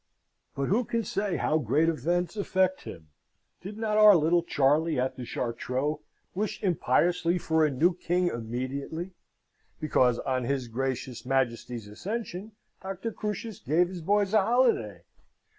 But who can say how great events affect him? Did not our little Charley, at the Chartreux, wish impiously for a new king immediately, because on his gracious Majesty's accession Doctor Crusius gave his boys a holiday?